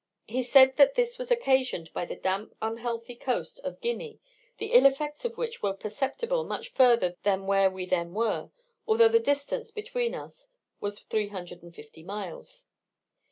He said that this was occasioned by the damp, unhealthy coast of Guinea, the ill effects of which were perceptible much further than where we then were, although the distance between us was 350 miles.